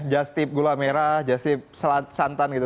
just tip gula merah just tip santan gitu